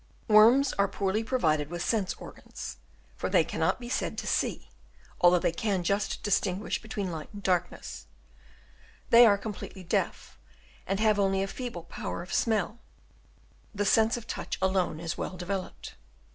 Chap. VII. CONCLUSION. 315 Worms are poorly provided with sense organs, for they cannot be said to see, although they can just distinguish between light and darkness ; they are completely deaf, and have only a feeble power of smell ; the sense of touch alone is well developed.